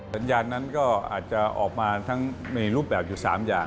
สัญญาณนั้นก็อาจจะออกมาทั้งมีรูปแบบอยู่๓อย่าง